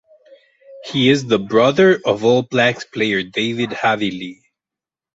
He is the brother of All Blacks player David Havili.